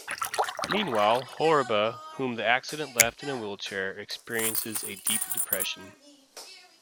Meanwhile, Horiba, whom the accident left in a wheelchair, experiences a deep depression.